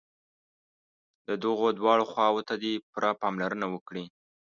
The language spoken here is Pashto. دغو دواړو خواوو ته دې پوره پاملرنه وکړي.